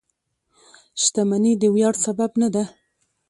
• شتمني د ویاړ سبب نه ده.